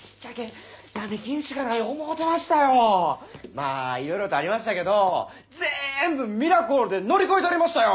まあいろいろとありましたけどぜんぶミラクルで乗り越えたりましたよ！